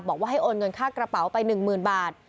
บอกว่าให้โอนเงินค่ากระเป๋าไป๑๐๐๐บาท